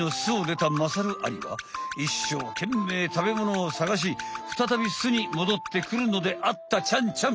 たべものをさがしふたたび巣にもどってくるのであったちゃんちゃん。